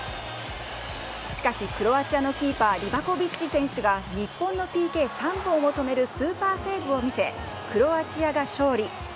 しかし、クロアチアのキーパー、リバコビッチ選手が日本のＰＫ３本を止めるスーパーセーブを見せ、クロアチアが勝利。